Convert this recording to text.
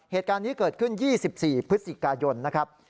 เหตุการณ์นี้เกิดขึ้น๒๔พฤศจิกายนนะครับ